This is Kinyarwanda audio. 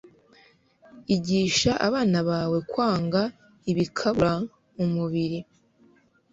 Igisha abana bawe kwanga ibikabura umubiri